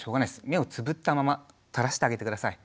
目をつぶったまま垂らしてあげて下さい。